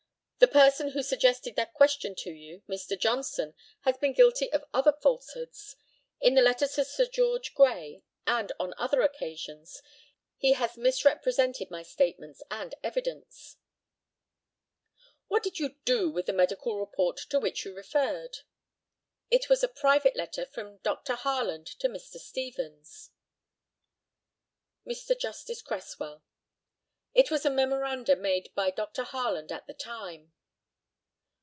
The person who suggested that question to you, Mr. Johnson, has been guilty of other falsehoods. In the letter to Sir George Grey, and on other occasions, he has misrepresented my statements and evidence. What did you do with the medical report to which you referred? It was a private letter from Dr. Harland to Mr. Stevens. Mr. Justice CRESSWELL: It was memoranda made by Dr. Harland at the time.